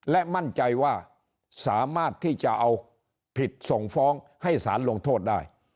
และมั่นใจว่าสามารถที่จะเอาผิดส่งฟ้องให้สารลงโทษได้